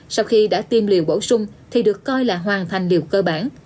sau khi đã tiêm liều bổ sung thì được coi là hoàn thành điều cơ bản